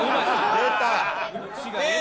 出た！